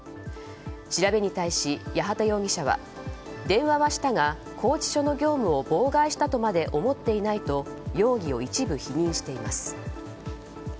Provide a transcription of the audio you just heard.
調べに対し、八幡容疑者は電話はしたが拘置所の業務を妨害したとまで思っていないと容疑を一部否認しています。